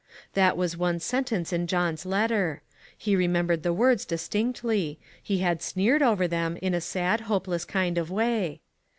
That was one sentence in John's letter. He remembered the words distinctly ; he had sneered over them, in a sad, hopeless kind of way.